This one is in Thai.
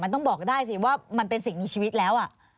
ต้องบอกได้สิว่ามันเป็นสิ่งมีชีวิตแล้ว